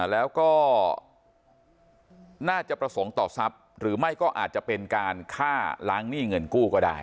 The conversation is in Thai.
แล้วก็น่าจะประสงค์ต่อทรัพย์หรือไม่ก็อาจจะเป็นการฆ่าล้างหนี้เงินกู้ก็ได้